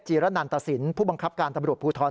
ระนันตสินผู้บังคับการตำรวจภูทร